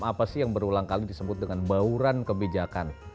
apa sih yang berulang kali disebut dengan bauran kebijakan